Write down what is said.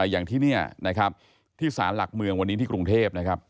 อย่างที่นี่นะครับที่สารหลักเมืองวันนี้ที่กรุงเทพนะครับ